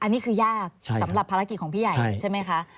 อันนี้คือยากสำหรับภารกิจของพี่ใหญ่ใช่ไหมคะ